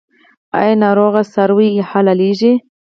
آیا ناروغه څاروي حلاليږي؟